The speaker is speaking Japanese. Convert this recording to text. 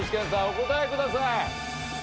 お答えください。